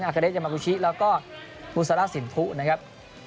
อากาเดชยามากุชิแล้วก็บุษรสินภุนะครับ